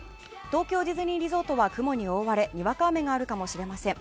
東京ディズニーリゾートは雲に覆われにわか雨があるかもしれません。